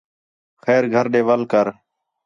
خیر گھر ݙے وَل کر